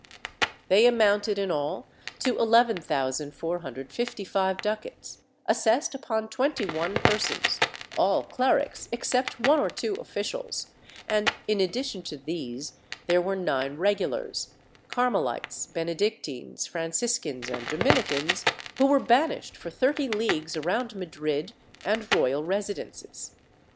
They amoimted in all to 11,455 ducats, assessed upon twenty one persons, all clerics except one or two officials and, in addition to these, there were nine regulars— Carmelites, Benedic tines, Franciscans and Dominicans — who were banished for thirty leagues around Madrid and royal residences.